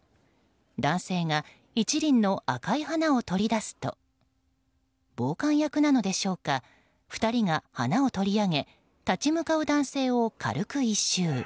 男性が１輪の赤い花を取り出すと暴漢役なのでしょうか２人が花を取り上げ立ち向かう男性を軽く一蹴。